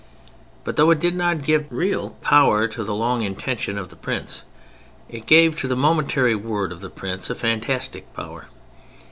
But though it did not give real power to the long intention of the prince, it gave to the momentary word of the prince a fantastic power.